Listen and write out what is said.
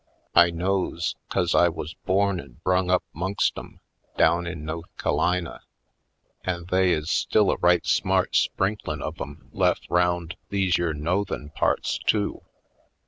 I knows, 'cause I wuz born and brung up 'mongst 'em down in No'th Ca'lina. An' they is still a right smart 158 /. Poindexter^ Colored sprinklin' of 'em lef 'round these yere No'the'n parts, too.